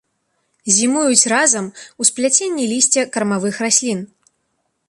Зімуюць разам у спляценні лісця кармавых раслін.